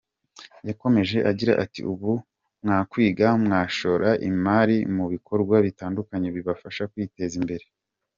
Yakomeje agira ati “Ubu mwakwiga, mwashora imari mu bikorwa bitandukanye bibafasha kwiteza imbere.